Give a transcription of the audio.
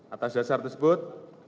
atas dasar tersebut